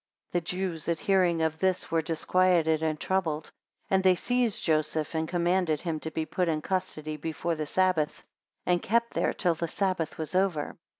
7 The Jews at the hearing of this were disquieted and troubled; and they seized Joseph, and commanded him to be put in custody before the Sabbath, and kept there till the Sabbath was over.